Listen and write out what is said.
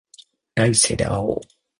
来世で会おう